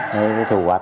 rồi cái thu hoạch